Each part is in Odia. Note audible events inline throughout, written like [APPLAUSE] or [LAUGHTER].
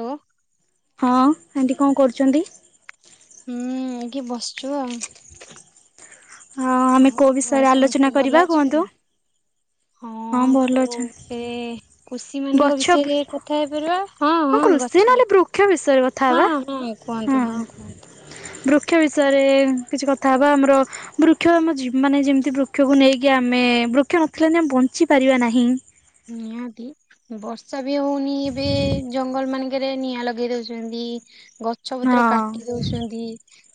ହ୍ୟାଲୋ ହଁ ଆଣ୍ଟି କଣ କରୁଛନ୍ତି? ହୁଁ ଏ କିି ବସିଛୁ ଆଉ। ହଁ ଆମେ ଆଉ କୋଉ ଘରେ ବିଷୟରେ ସମସ୍ତେ ଆଲୋଚନା ଭଲ କରିବା ଅଛନ୍ତି? କୁହନ୍ତୁ? ହଁ ଭଲ ଅଛନ୍ କୃଷି ମାନଙ୍କ ଗଛ ବିଷୟରେ କଥା ହେଇପାରିବା ହଁ କୃଷି ଗଛ ନହେଲେ ବୃକ୍ଷ ବିଷୟରେ କଥା ହବା ହଁ ହଁ କୁହନ୍ତୁ ହଁ ବୃ କୁହନ୍ତୁ ବୃକ୍ଷ ବିଷୟରେ ୟେ କିଛି କଥା ହେବା ଆମର ବୃକ୍ଷ ଆମ ଜି ମାନେ ଯେମିତି ବୃକ୍ଷକୁ ନେଇକି ଆମେ ବୃକ୍ଷ ନଥିଲେ ଆମେ ବଞ୍ଚି ପାରିବା ନାହିଁ। ନିହାତି ବର୍ଷା ବି ହଉନି ଏବେ ଜଙ୍ଗଲ ମାନଙ୍କରେ ନିଆଁ ଲଗେଇ ଦଉଛନ୍ତି। ଇ ଗଛ ପତ୍ର ହଁ କାଟି ଦଉଛନ୍ତି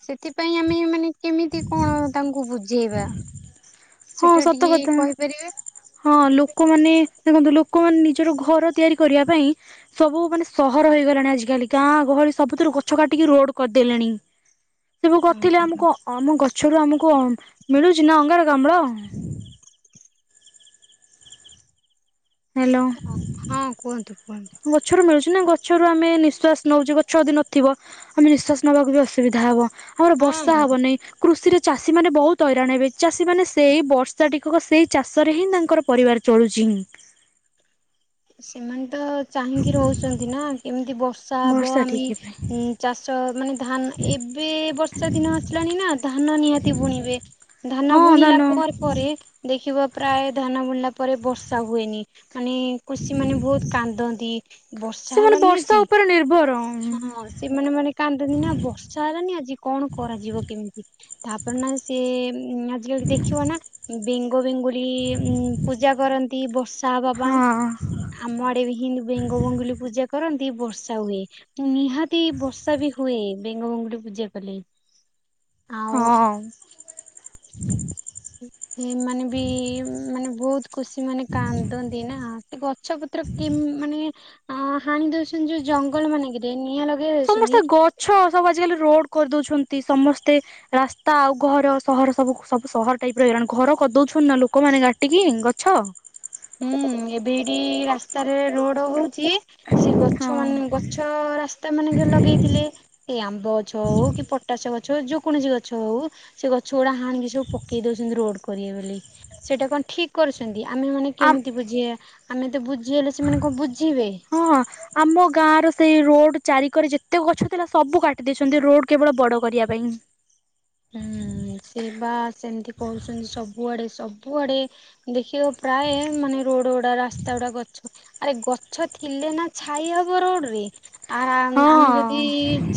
ସେଥିପାଇଁ ଆମେ ମାନେ କେମିତି କଣ ତାଙ୍କୁ ବୁଝେଇବା? ହଁ ସେଟା ସତ ଟିକେ କଥା କହିପାରିବେ? ହଁ ଲୋକମାନେ ଦେଖନ୍ତୁ ଲୋକମାନେ ନିଜର ଘର ତିଆରି କରିବା ପାଇଁ ସବୁ ମାନେ ସହର ହେଇଗଲାଣି ଆଜିକାଲି ଗାଁ ଘର ସବୁଥିରେ ଗଛ କାଟିକି ରୋଡ କରିଦେଲେଣି ସେବୁ ହଁ କରିଥିଲେ ଆମ କ ଗଛରୁ ଆମକୁ ଅ ମିଳୁଛି ନା ଅଙ୍ଗାରକାମ୍ଳ। ହ୍ୟାଲୋ ହଁ କୁହନ୍ତୁ କୁହନ୍ତୁ ଗଛରୁ ମିଳୁଛି ନା ଗ ଗଛରୁ ଆମେ ନିଶ୍ୱାସ ନଉଛେ ଗଛ ଯଦି ନଥିବ ଆମେ ନିଶ୍ୱାସ ନବାକୁ ବି ଅସୁବିଧା ହବ। ଆମର ହଁ ବର୍ଷା ହବନି କୃଷିରେ ଚାଷୀମାନେ ବହୁତ ହଇରାଣ ହେବେ ଚାଷୀମାନେ ସେଇ ବର୍ଷାଟିକ ସେଇ ଚାଷରେ ହିଁ ତାଙ୍କର ପରିବାର ଚଳୁଛି। ହିଁ। ସେମାନେ ତ ଚାହିଁକି ରହୁଛନ୍ତି ନା କେମତି ଯଦି ବର୍ଷା ହବ ଆମେ ଟିକେ ପାଇଁ ଇ ଚାଷ ମାନେ ଧାନ ଏବେ ବର୍ଷା ଦିନ ଆସିଲାଣି ନା ଧାନ ନିହାତି ବୁଣିବେ। ଧାନ ହଁ ବୁଣିଲା ଧନ ପରେ ପରେ ଦେଖିବ ପ୍ରାୟ ଧାନ ବୁଡ଼ିଲା ପରେ ବର୍ଷା ହୁଏନି ମାନେ କୃଷି ମାନେ ବହୁତ କାନ୍ଦନ୍ତି ବର୍ଷା ସେମାନେ ହେଲାନି ବର୍ଷା ଆଜି ଉପରେ ନିର୍ଭର ହଁ ସେମାନେ ମାନେ କାନ୍ଦନ୍ତିି ନା ବର୍ଷା ହେଲାନି ଆଜି କଣ କରାଯିବ କେମିତି ତାପରେ ନା ସେ ଆଜିକାଲି ଦେଖିବ ନା ବେଙ୍ଗ ବେଙ୍ଗୁଲି ଉଁ ପୂଜା କରନ୍ତି ବର୍ଷ ର୍ଷା ହେବା ପାଇଁ ହଁ ଆମ ଆଡେ ହିଁ ବେଙ୍ଗ ବେଙ୍ଗୁଲି ପୂଜା କରନ୍ତି ବର୍ଷା ହୁଏ। ନିହାତି ବର୍ଷା ବି ହୁଏ ବେଙ୍ଗ ବେଙ୍ଗୁଲି ପୂଜା କଲେ। ଆଉ ହଁ। ହିଁ ସେମାନେ ବି ମାନେ ବହୁତ ଖୁସି ମାନେ କାନ୍ଦନ୍ତି ନା ସେ ଗଛ ଵୄ ପୁରା କିମ୍ ମାନେ ଆଁ ହାଣି ଦଉଛନ୍ତି ଯୋଉ ଜଙ୍ଗଲ ମାନଙ୍କରେ କି ନିଆଁ ଲ ସମସ୍ତେ ଗଛ ସବୁ ଆଜିକାଲି ରୋଡ କରିଦଉଛନ୍ତି ସମସ୍ତେ ରାସ୍ତା ଆଉ ଘର ସହର ସବୁ ସବୁ ସହର ଟାଇପ ର ହେଇଲାଣି ଘର କରିଦଉଛନ୍ତି। ଥୋଡି ନା ଲୋକମାନେ କାଟିକି ଗଛ ହୁଁ ଏବେ ଏଇଟି ରାସ୍ତାରେ ରୋଡ଼ ହଉ ଚି ସେ ଗଛ ମାନେ ଗଛ ରାସ୍ତା ମାନେ ଲଗେଇଥିଲେ ଏଇ ଆମ୍ବ ଗଛ ହଉ କି ପଟାଶ ଗ ଗଛ ହଉ କୌଣସି ଗଛ ହଉ ସେ ଗଛ ଗୁଡା ହାଣିକି ସବୁ ପକେଇ ଦଉଛନ୍ତି ରୋଡ କରିବେ ବୋଲି ସେଇଟା କଣ ଠିକ୍ କରୁଛନ୍ତି ଆମେ ମାନେ ଆ କେମିତି ବୁଝେଇବା ଆମେ ତ ବୁଝ୍ ବୁଝେଇଲେ ସେମାନେ କଣ ବୁଝିବେ? ହଁ ଆମ ଗାଁ ର ସେଇ ରୋଡ ଚାରିିକଡେ ଯେତେ ଗଛ ଥିଲା ସବୁ କାଟି ଦେଇଛନ୍ତି ରୋଡ କେବଳ ବଡ କରିବା ପାଇଁ। ହୁଁ ସେ ବା ସେମିତି କହୁଛନ୍ତି ସବୁଆଡେ ସବୁ ସବୁ ଆଡେ ଦେଖିବ ପ୍ରାୟ ମାନେ ରୋଡ ଗୁଡା ରାସ୍ତା ଗୁଡା ଗଛ ଆରେ ଗଛ ଥିଲେ ନା ଛାଇ ହବ ରୋଡରେ। ଆ ଆମେ ହଁ ଯଦି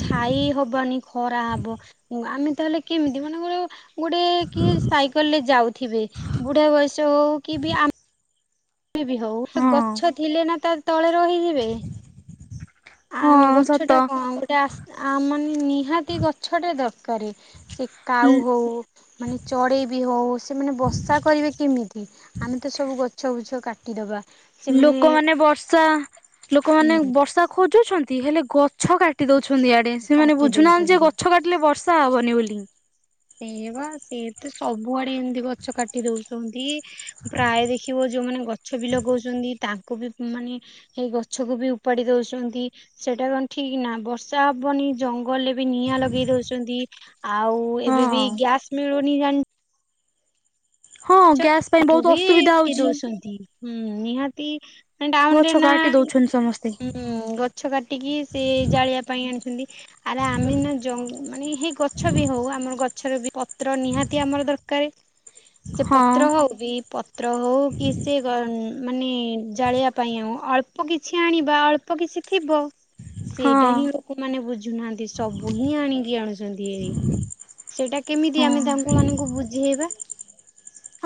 ଛାଇ ହବନି ଖରା ହବ ଆମେ ତାହେଲେ କେମିତି ମନେକର ଗୋ ଗୋଟେ କିଏ ସାଇକେଲରେ ଯାଉ ଥିବେ ବୁଢ଼ା ବୟସ ହଉ କି ବି ଆମେ କିଏ ବି ହଉ ହଁ ଗଛ ଥିଲେ ନା ତା ତଳେ ରହିଯିବେ। ହଁ। ସତ ଗଛାଟା କଣ ଗୋଟେ ଆ ମାନେ ନିହାତି ଗଛଟା ଦରକାରେ ସେ କାଉ ହଉ ମାନେ ଚଢ଼େଇ ବି ହଉ ସେମାନେ ବସା କରିବେ କେମିତି ଆମେ ତ ସବୁ ଗ ଛ ବୁଛ କାଟିଦବା ସେମାନେ ଲୋକମାନେ ବର୍ଷା ଲୋକମାନେ ହୁଁ ବର୍ଷା ଖୋଜୁଛନ୍ତି ନ୍ତି ହେଲେ ଗଛ କାଟି ଦଉଛନ୍ତି ଆଡେ ସେମାନେ କାଟି ବୁଝୁନାହାନ୍ତି ଯେ ଦଉଛନ୍ତି। ଗଛ କାଟିଲେ ବର୍ଷା ବନି ବୋଲି ସେ ଇ ବା ସିଏ ତ ସବୁଆଡେ ଏମତି ଗଛ କାଟି ଦଉଛନ୍ତି ପ୍ରାୟ ଦେଖିବ ଯୋଉମାନେ ଗଛ ବି ଲଗାଉଛନ୍ତି ତାଙ୍କୁ ବି ମାନେ ସେଇ ଗଛକୁ ବି ଉପାଡି ଦଉଛନ୍ତି ସେଟା କଣ ଠିକ ନା ବର୍ଷା ହବନି ଜଙ୍ଗଲରେ ବି ନିଆଁ ଲଗେଇ ଦଉଛନ୍ତି ଆଉ ଏବେ ବି ହଁ ଗ୍ୟାସ ମିଳୁନି ଜଣି ହଁ ଗ୍ୟାସ୍ ପାଇଁ ବହୁତ ଆଛାବ ଅସୁବିଧା କି ହଉଛି। ଦୋଛନ୍ତି ହୁଁ ନିହାତି ଗଛ [UNINTELLIGIBLE] ନା କାଟି ଦଉଛନ୍ତି ସମସ୍ତେ ହୁଁ ଗଛ କାଟିକି ସେ ଜାଳିବା ପାଇଁ ଆଣିଛନ୍ତି ଆରେ ଆମେ ନା ମାନେ ଜଙ୍ଗ ହ ଗଛ ବି ହଉ ଆମର ଗଛରେ ବି ପତ୍ର ନିହାତି ଆମର ଦରକାର ସେ ହଁ ପତ୍ର ହଉ ବି ପତ୍ର ହଉ କି ସେ ଗ ମାନେ ଜଳେଇିବା ପାଇଁ ଆଉ ଅଳ୍ପ କିଛି ଆଣିବା ଅଳ୍ପ କିଛି ଥିବ ହଁ ସେଇଟା ହିଁ ଲୋକମାନେ ବୁଝୁନାହାନ୍ତି ସବୁ ହିଁ ଆଣିକି ଆଣୁଛନ୍ତି ଏଇ ସେଇଟା ହଁ କେମିତି ଆମେ ତାଙ୍କ ମାନଙ୍କୁ ବୁଝେଇବା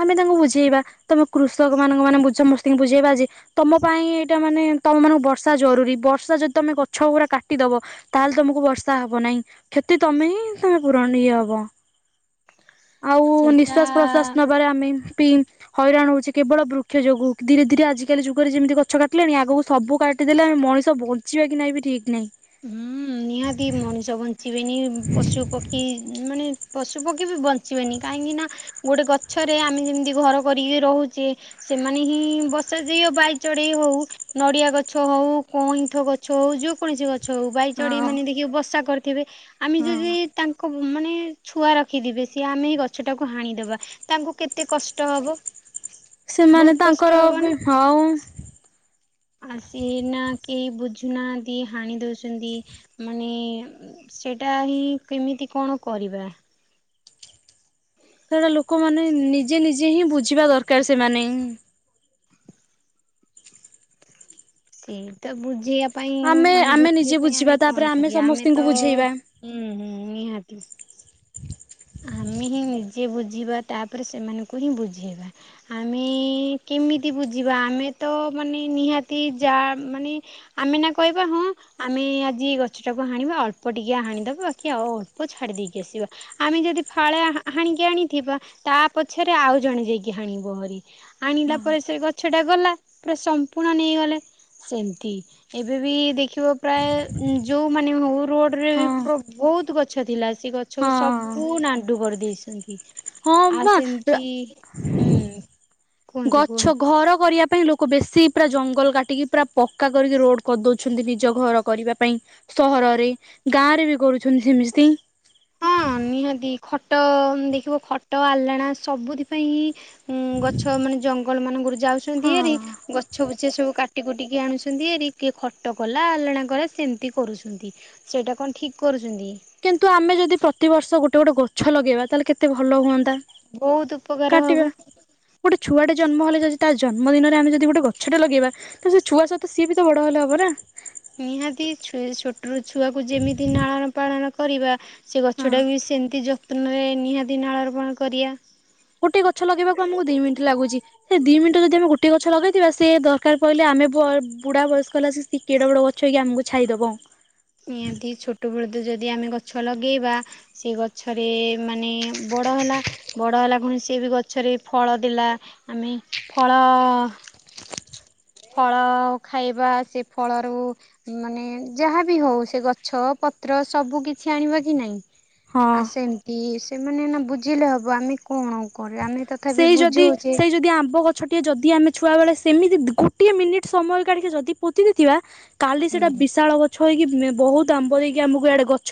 ଆମେ ତାଙ୍କୁ ବୁଝେଇବା ତମେ କୃଷକ ମାନଙ୍କ ମାନେ ସମସ୍ତିଙ୍କୁ ବୁଝେଇବା ଆଜି ତମ ପାଇଁ ଏଇଟା ମାନେ ତମ ମାନଙ୍କୁ ବର୍ଷା ଜରୁରୀ ବର୍ଷା ଯଦି ତମେ ଗଛ ପୁରା କାଟିଦବ ତାହେଲେ ତମକୁ ବର୍ଷା ହବ ନାହିଁ କ୍ଷତି ତମେ ହିଁ ତମେ ପୂରଣ ଇଏ ହବ ଆଉ ସେଇଟା ନିଶ୍ବାସ ପ୍ରଶ୍ଵାସ ନବାରେ ଆମେ ପିଇ ହଇରାଣ ହଉଛି କେବଳ ବୃକ୍ଷ ଯୋଗୁ ଧୀରେ ଧୀରେ ଆଜିକାଲି ଯୁଗରେ ଯେମିତି ଗଛ କାଟିଲେଣି ଆଗକୁ ସବୁ କାଟିଦେଲେ ମଣିଷ ବଞ୍ଚିବା କି ନା ଇ ବି ଠିକ୍ ନାହିଁ ହୁଁ ନିହାତି ମଣିଷ ବଞ୍ଚିବେନି ପଶୁ ପକ୍ଷୀ ମାନେ ପଶୁ ପକ୍ଷୀ ବି ବଞ୍ଚିବେନି କାହିଁକି ନା ଗୋଟେ ଗଛରେ ଆମେ ଯେମିତି ଘର କରିକି ରହୁଛେ ସେମାନେ ହିଁ ବସାଯାଇ ଆଉ ବାଇ ଚଢ଼େଇ ହଉ ନଡ଼ିଆ ଗଛ ହଉ କଇଁଥ ଗଛ ହଉ ଯେ କୌଣସି ଗଛ ହଉ ବାଇଚ଼ଢେଇ ହଁ ମାନେ ଦେଖି ବସା କରିଥିବେ ଆମେ ହଁ। ଯଦି ତାଙ୍କ ମାନେ [INAUDIBLE] ଛୁଆ ରଖିଦିବେ ସିଏ ଆମେ ଏଇ ଗଛ ଟାକୁ ହାଣିଦବା ତାଙ୍କୁ କେତେ କଷ୍ଟ ହବ ସେମାନେ ବହୁତ କଷ୍ଟ ତାଙ୍କର ବି ହଉ ଆସି ନା କେହି ବୁଝୁନା ଦିଏ ହାଣି ଦଉ ଚନ୍ତି ମାନେ ସେଟା ହି କେମିତି କଣ କରିବା? ସେଉଡ଼ ଲୋକମାନେେ ନିଜେ ନିଜେ ହିଁ ବୁଝିବା ଦରକାର ସେମାନେ ସେଇଟା ବୁଝେଇ ପାଇଁ ଆମେ ମାନେ ଆମେ ବୁଝିବା ନିଜେ ପାଇଁ ଆମେ କଣ ତାପରେ କରିବା ଆମେ ସମସ୍ତଙ୍କୁ ତ ବୁଝେଇବା। ହୁଁ ହୁଁ ନିହାତି ହୁ ଆମେ ହିଁ ନିଜେ ବୁଝିବା ତାପରେ ସେମାନଙ୍କୁ ହିଁ ବୁଝେଇବା ଆମେ କେମିତି ବୁଝିବା ଆମେ ତ ମାନେ ନିହାତି ଯା ମାନେ ଆମେ ନା କହିବା ହଁ ଆମେ ଆଜି ଗଛଟାକୁ ହାଣିବା ଅଳ୍ପ ଟିକେ ହାଣିଦବା ବାକି ଆଉ ଅଳ୍ପ ଛାଡି ଦେଇକି ଆସିବା ଆମେ ଯଦି ଫାଳେ ହା ହା ହାଣିକି ଆଣିଥିବା ତା ପଛରେ ଆଉ ଜଣେ ଯାଇକି ହାଣିବହରି ଆଣିଲା ହଁ ପରେ ସେ ଗଛଟା ଗଲା ପୁରା ସମ୍ପୂର୍ଣ୍ଣ ନେଇଗଲେ ସେମତି ଏବେବି ଦେଖିବ ପ୍ରାୟ ଯେଉମାନେ ହଉ ରୋଡ଼ରେ ବି ହଁ ପ୍ର ବହୁତ ଗଛ ଥିଲା ସେ ଗଛକୁ ସବୁ ନାଣ୍ଡୁ କରିଦେଇଛନ୍ତି ହଁ ଆର୍ ବା ସେମିତି ହୁଁ କୁହନ୍ତୁ ଗଛ କୁହନ୍ତୁ ଘର କରିବା ପାଇଁ ଲୋକ ବେଶୀ ପୁରା ଜଙ୍ଗଲ କାଟିକି ପୁରା ପକ୍କା କରିକି ରୋଡ କରିଦଉଛନ୍ତି ନିଜ ଘର କରିବା ପାଇଁ ସହରରେ ଗାଁ ରେ ବି କରୁଛନ୍ତି ସେମିସ୍ତି ହଁ ନିହାତି ଖଟ ଦେଖିବ ଖଟ ଆଲାଣା ସବୁଥିପାଇଁ ଉଁ ଗଛ ମାନେ ଜଙ୍ଗଲ ମାନଙ୍କରୁ ଯାଉଛନ୍ତି ହଁ। ହେରି ଗଛ ଫୁଛ ସବୁ କାଟି କୁଟି କି ଆଣୁଛନ୍ତି ହେରି କିଏ ଖଟ କଲା ଆଲଣକଲା, ସେମତି କରୁଛନ୍ତି, ସେଇଟା କଣ ଠିକ କରୁଛନ୍ତି କିନ୍ତୁ ଆମେ ଯଦି ପ୍ରତିିବର୍ଷ ଗୋଟେ ଗୋଟେ ଗଛ ଲଗେଇବା ତାହେଲେ କେତେ ଭଲ ହୁଅନ୍ତା! ବହୁତ ଉପକାର ହବ କାଟିବା ଗୋଟେ ଛୁଆଟେ ଜନ୍ମ ହେଲେ ଯାଉଛି ତା ଜନ୍ମ ଦିନରେ ଆମେ ଯଦି ଗ ଛୋଟ ଲଗେଇବା ତ ସେ ଛୁଆ ସହିତ ସିଏ ବି ତ ବଡ ହେଲେ ହବ ନା। ନିହାତିଛ ଛୋଟରୁ ଛୁଆକୁ ଯେମିତି ନାଳନ ପାଳନ କରିବା ସେ ହଁ ଗଛଟାକୁ ବି ସେମିତି ଯତ୍ନରେ ନିହାତି ନାଳନ ପାଳନ କରିବା। ଗୋଟେ ଗଛ ଲଗେଇବାକୁ ଆମକୁ ଦି ମିନିଟ ଲାଗୁଛି ସେ ଦି ମିନିଟ ଯଦି ଆମେ ଗୋଟେ ଗଛ ଲଗେଇଥିବା ସେ ଦରକାର ପହିଲେ ଆ ଆମେ ବୁଢା ବୟସ୍କ ହେଲା ସେ କେଡ ବଡ ଗଛ ହେଇକି ଆମକୁ ଛାଇଦବ। ନିହାତି ଛୋଟବେଳଦ ଯଦି ଆମେ ଗଛ ଲଗେଇବା ସେ ଗଛରେ ମାନେ ବଡ ହେଲା ବଡ ହେଲା କଣି ସେଏ ବି ଗଛରେ ଫଳ ଦେଲା ଆମେ ଫଳ ଫଳ ଖାଇବା ସେ ଫଳରୁ ମାନେ ଯାହାବି ହଉ ସେ ଗଛ ପ ପତ୍ର ସବୁ କିଛି ଆଣିବା କି ନାହିଁ। ହଁ। ଆ ସେମତି ସେମାନେ ନା ବୁଝିଲେ ହବ ଆମେ କଣ କରେ ଆମେ ତଥାପି ସେଇ ଯଦି ବୁଝଉଛେ ସେଇ ଯଦି ଆମ୍ବ ଗଛ ଟିଏ ଯଦି ଆମେ ଛୁଆ ବେଳେ ସେମିତି ଗୋଟିଏ ମିନିଟ ସମୟ କାଢିକି ଯଦି ପୋତି ନଥିବା କାଲି ହୁଁ ସେଟା ବିଶାଳ ଗଛ କି ବହୁତ ଆମ୍ବ ଦେଇକି ଆମକୁଆଡେ ଗଛ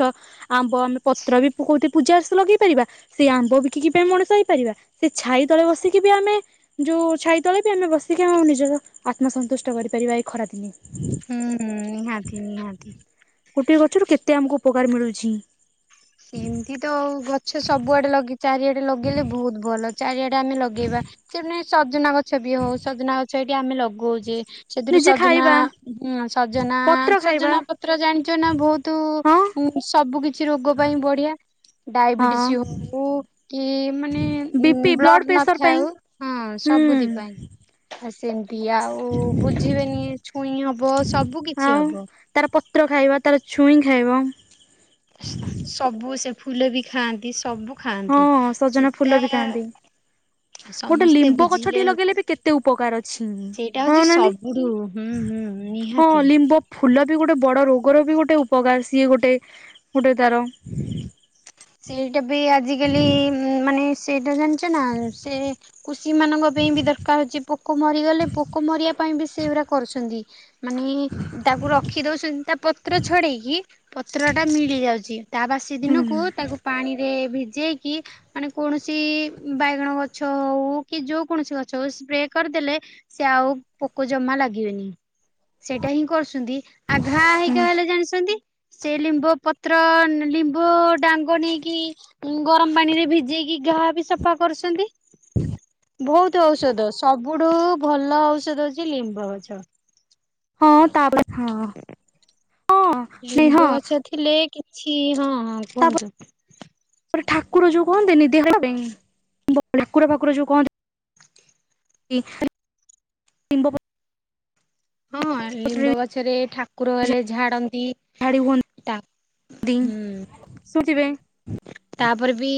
ଆମ୍ବ ଆମେ ପତ୍ର ବି ପକଉ ପୂଜା ଲଗେଇ ପାରିବା ସେଇ ଆମ୍ବ ବିକି ପାଇଁ ମଣିସ ସେ ଛାଇ ତଳେ ବସିକି ବି ଆମେ ଯୋଉ ଛାଇ ତଳେ ବି ଆମେ ବସିକି ଆମ ନିଜର ଆତ୍ମସ ଦୁଷ୍ଟ କରିପାରିବା ଏଇ ଖରାଦିନେ। ହୁଁ ହୁଁ ନିହାତି ନିହାତି। ଗୋଟେ ଗଛରୁ କେତେ ଆମକୁ ଉପକାର ମିଳୁଛି? ସେମତି ତ ଗଛ ସବୁଆଡେ ଲଗେଇ ଚାରିଆଡେ ଲଗେଇଲେ ବହୁତ ଭଲ। ଚାରିଆଡେ ଟା ଆମେ ଲଗେଇବା ସେ ସଜନା ଗଛ ବି ହଉ ସଜନା ଗଛ ଏଠି ଆମେ ଲଗଉଛେ ସେଥିରୁ ନିଜେ ସଜନା ଖାଇବା ସଜନା ପତ୍ର ଖାଇବା ସଜନା ପତ୍ର ଜାଣିଛ ନା ବହୁତୁ ହଁ ମୁଁ ସବୁ କିଛି ରୋଗ ପଡ଼ିଆ ହଁ ଡାଇବେଟିସ୍ ହଉ କି ମାନେ B P blood blood pressure ପାଇଁ ନଥାଉ ହଁ ସବୁ ବୁଧି ହୁଁ ପାଇଁ ଆସ ସେମିତି ଆଉ ବୁଝିବେନି ଛୁଇଁ ହବ ସବୁ କିଛି ଆଉ ହବ। ତାର ପତ୍ର ଖାଇବା ତାର ଛୁଇଁ ଖାଇବ ସବୁ ସେ ଫୁଲ ବି ଖାଆନ୍ତି। ସବୁ ହଁ ଖାଆନ୍ତି ସଜନା ଫୁଲ ସେଟା ବି ଖାଆନ୍ତି। ଗୋଟେ ସମସ୍ତେ ଲିମ୍ବ ଗଛ ଟିକ ବୁଝିଲେ ଲଗେଇଲେ ବି କେତେ ଉପକାର ଅଛି। ସେଇଟା ହଁ ହଉଛି ନା ନାଇଁ ସବୁଠୁ ହୁଁ ହୁଁ ହଁ ନିହାତି। ଲିମ୍ବ ଫୁଲ ବି ଗୋଟେ ବଡ ରୋ ଗୋର ବି ଗୋଟେ ଉପକାର ସିଏ ଗୋଟେ ଗୋଟେ ତାର ସେଇଟା ବି ଆଜିକାଲି ମାନେ ସେଇଟା ଜା ନା ସେ କୃଷି ମାନଙ୍କ ପାଇଁ ବି ଦରକାର ହଉଛି ପୋକ ମରିଗଲେ ପୋକ ମରିବା ପାଇଁ ବି ସେ କରୁଛନ୍ତି, ମାନେ - ତାକୁ ରଖିଦଉଛନ୍ତି ତା ପତ୍ର ଛଡେଇକି ପତ୍ର ଟା ମି ମିଳି ଯାଉଛି ତା ବାସି ହୁଁ ଦିନକୁ ତାକୁ ପାଣିରେ ଭିଜେଇକି ମାନେ କୌଣସି ବାଇଗଣ ଗଛ ହଉ କି ଯୋ କୌଣସି ଗ ଛ ସ୍ପ୍ରେ କରିଦେଲେ ସେ ଆଉ ପୋକ ଜମା ଲାଗିବେନି। ସେଇଟା ହିଁ କରୁଛନ୍ତି, ଆଘା ହୁଁ ହେଇକି ହେଲେ ଜାଣିଛନ୍ତି? ସେ ଲିମ୍ବ ପତ୍ର ଲିମ୍ବଡା ବନେଇକି ଗରମ ପାଣି ରେ ଭିଜେଇକି ଘା ବି ସଫା କରୁଛନ୍ତି। ବହୁତ ଔଷଧ ସବୁଠୁ ଭଲ ଔଷଧ ହଉଛି ଲିମ୍ବ ଗଛ। ହଁ ତାପାଖେ ହଁ ହଁ ଲିମ୍ବ ସ୍ନେହ ଗଛ ଥିଲେ କିଛି ହଁ ହଁ କୁହନ୍ତୁ? ଠାକୁର ଯୋଉ କହନ୍ତିନି ଦେହ ପାଇଁ ଠାକୁର ପାକୁର ଯୋଉ କହନ୍ତି [INAUDIBLE] ଲିମ୍ବ ପ ହଁ ଲିମ୍ବ ଗଛରେ ଠାକୁର ହେଲେ ଝାଡନ୍ତି। ଝାଡି ହୁଅନ୍ତି ତା ହୁଁ ଶୁଣିଥିବେ ତା ତାପରେ ବି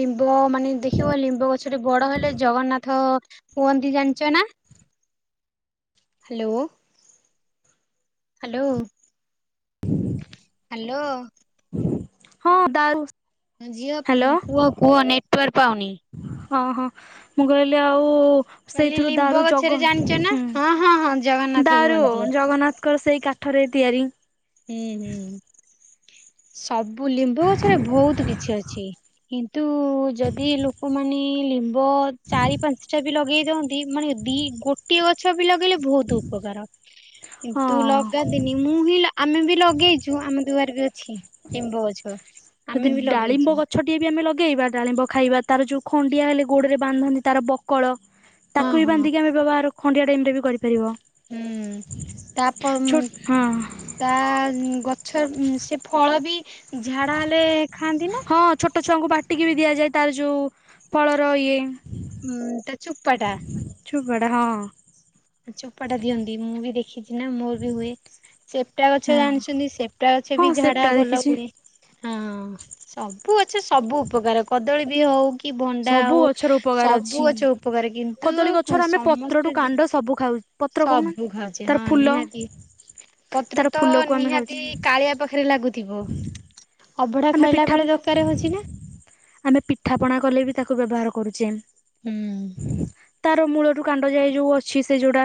ଲିମ୍ବ ମାନେ ଦେଖିବ ଲିମ୍ବ ଗଛରେ ବଡ ହେଲେ ଜଗନ୍ନାଥ କୁହନ୍ତି ଜାଣିଚ ନା? [INAUDIBLE] ହେଲୋ ହାଲୋ ହାଲୋ ହଁ ଦାରୁ ଝିଅ ହ୍ୟାଲୋ କୁହ କୁହ ନେଟୱାର୍କ ପାଉନି। ହଁ, ହଁ ମୁଁ କହିଲି ଆଉ କହିଲି ସେଇଥିରୁ ଲିମ୍ବ ଦାରୁ ଗଛରେ ଜଗ ଜାଣିଛ ନା ହୁଁ, ହଁ ହଁ ହଁ ଜଗନ୍ନାଥ ଦାରୁ କୁହନ୍ତି। ଜଗନ୍ନାଥଙ୍କର ସେଇ କାଠରେ ତିଆରି ହୁଁ ହୁଁ ସବୁ ଲିମ୍ବୁ ଗଛରେ ଭୋଉତ୍ କିଛି ଅଛି। କିନ୍ତୁ ଯଦି ଲୋକମାନେ ଲିମ୍ବ ଚାରି ପାଞ୍ଚଟା ବି ଲଗେଇ ଦି ମାନେ ଦି ଗୋଟିଏ ଗ ଲଗେଇଲେ ଭୋଉତ୍ ଉପକାର ହଁ। କିନ୍ତୁ ଲଗାନ୍ତିନି, ମୁଁ ହିଁ ଆମେ ବି ଲଗେଇଛୁ ଆମ ଦୁଆରେ ବି ଅଛି ଲିମ୍ବ ଗଛ। ଆମେ ଯଦି ବି ଡାଳିମ୍ବ ଲଗେଇଛୁ ଗଛଟିଏ ବି ଆମେ ଲ ଲଗେଇବା ଡାଳିମ୍ବ ଖାଇବା ତାର ଯୋଉ ଖଣ୍ଡିଆ ହେଲେ ଗୋଡରେ ବାନ୍ଧନ୍ତି ତାର ବକଳ ତାକୁ ହଁ ବି ହଁ ବାନ୍ଧିକି ଆମେ ବ୍ୟବହାର ଖଣ୍ଡିଆ ଟାଇମ ରେ ବି କରି ହୁଁ ଛୋ [UNINTELLIGIBLE] ହଁ। ତା ଗଛ ସେ ଫଳ ବି ଝାଡ଼ା ହେଲେ ଖାଆନ୍ତି ନା ହଁ ଛୋଟ ଛୁଆଙ୍କୁ ବାଟିକି ବି ଦିଆଯାଏ, ତାର ଯୋଉ ଫଳର ଇଏ ହୁଁ, ତା ଚୋପାଟା। ହଁ ଚୋପା ଟା ଦିଅନ୍ତି ମୁଁ ବି ଦେଖିଛି, ନା ମୋର ବି ହୁଏ। ସେପଟା ଗଛ ହଁ ଜାଣିଛନ୍ତି ସେପଟା ଗ ସେ ହଁ ବି ଝାଡା ସେପ୍ଟା ଭଲ ଦେଖିଛି ହୁଏ। ହଁ ସବୁ ଗଛ ସବୁ ଉପକାର କଦଳୀ ବି ହଉ କି ଭଣ୍ଡା ସବୁ ହଉ, ଗଛର ଉପକାର ସବୁ ଅଛି। ଗଛ ଉପକାର କଦଳୀ ଗଛର କିନ୍ତୁ ଆମେ ପତ୍ରଠୁ ସମସ୍ତେ କାଣ୍ଡ ସବୁ ଖାଉ ପତ୍ର କହୁନ ସବୁ ଖାଉଛି ତାର ହଁ ଫୁଲ ନିହାତି ପତ୍ର ତାର ତ ଫୁଲକୁ ଆମେ ଖାଉଛେ ନିହାତି କାଳିଆ ପାଖରେ ଲାଗୁଥିବ। ଅଭଢା ଆମେ ଖାଇଲା ପିଠା ବେଳେ ଦରକାର ହଉଛି ନା ଆମେ ପିଠା ପଣା କଲେ ବି ତାକୁ ବ୍ୟବହାର କରୁଚେ। ହୁଁ [INAUDIBLE] ତାର ମୂଳରୁୁ କାଣ୍ଡ ଯାଏ ଯୋଉ ଅଛି, ସେ ଯୋଉଟା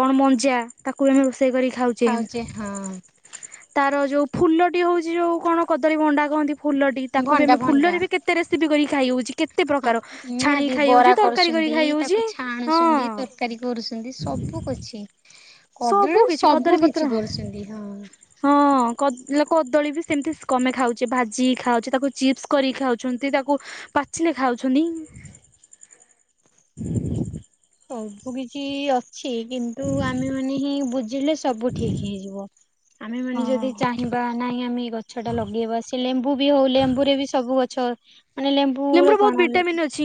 କଣ ମଞ୍ଜା ତାକୁ ଆମେ ରୋଷେ ରୋଷେଇ କରିକି ଖାଉଛେ ତାର ଯୋଉ ଫୁଲଟି ହେଉଛି ଯୋଉ କଣ କଦଳୀ ଭଣ୍ଡା କହନ୍ତି, ଫୁଲଟି ତାକୁ ବି ଭଣ୍ଡା ଆମେ ଭଣ୍ଡା ଫୁଲରେ ବି କେତେ ରେସିପି କରି ଖାଇ ହଉଛି କେତେ ହଁ ପ୍ରକାର ଛାଣିକି ନିହାତି ଖାଇ ହଉଛି ବରା ତରକାରୀ କରି କରୁଛନ୍ତି, ଖାଇ ହଉଛି ତାକୁ ହଁ ଛାଣୁଛନ୍ତି ତରକାରୀ କରୁଛନ୍ତି ସବୁ [UNINTELLIGIBLE] କଦଳୀ ସବୁ ରୁ କିଛି କଦଳୀ ସବୁ ପତ୍ର କିଛି କରୁଛନ୍ତି ହଁ। ହଁ କଦ କଦଳୀ ବି ସେମିତି କମେ ଖାଉଛେ, ଭାଜିକି ଖାଉଛେ, ତାକୁ ଚିପ୍ସ କରିକି ଖାଉଛନ୍ତି ତାକୁ ପାଚିଲେ ଖାଉଛନ୍ତି। ସବୁ କିଛି ଅଛି କିନ୍ତୁ ଆମେ ମାନେ ହିଁ, ବୁଝିଲେ ସବୁ ଠିକ ହେଇଯିବ। ଆମେ ହଁ। ମାନେ ଯଦି ଚାହିଁବା ନାଇଁ ଆମେ ଗଛ ଟା ଲଗେଇବା ସେ ଲେମ୍ବୁ ବି ହଉ ଲେମ୍ବୁରେ ବି ସବୁ ଗଛ ମାନେ ଲେମ୍ବୁ ର ଲେମ୍ବୁରେ ବହୁତ କଣ ଭିଟାମିନ୍ ଅଛି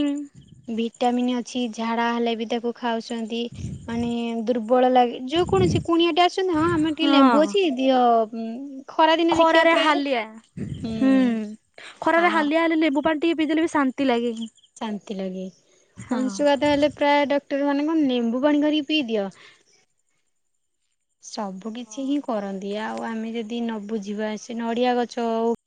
ଭିଟାମିନ୍ ଅଛି, ଝାଡା ହେଲେ ବି ତାକୁ ଖାଉଛନ୍ତି ମାନେ ଦୁର୍ବଳ ଲାଗେ, ଯେକୌଣସି କୁଣିଆ ଟେ ଆସିଛନ୍ତି, ହଁ ଆମେ ଟିକେ ଲେମ୍ବୁ ଅଛି [INAUDIBLE] ଦେଖିବ ଖରାରେ ପ୍ରାୟ ହାଲିଆ, ହୁଁ ଖରାରେ ଆଉ ହାଲିଆ ହେଲେ ଲେମ୍ବୁ ପାଣି ଟିକେ ପିଦେଲେ ବି ଶାନ୍ତି ଲାଗେ। ଶାନ୍ତି ଲାଗେ। ହଁ। ଅଂଶୁଘତ ହେଲେ ପ୍ରାୟ ମାନେ କଣ ଲେମ୍ବୁ ପାଣି କରିକି ପିଇ ଦିଅ। ସବୁ କିିଛି ହଁ। ହିଁ କରନ୍ତି, ଆଉ ଆମେ ଯଦି ନ ବୁଝିବା ସେ ନଡ଼ିଆ ଗଛ ହୋଉ।